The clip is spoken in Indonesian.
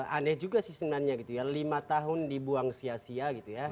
aneh juga sih sebenarnya lima tahun dibuang sia sia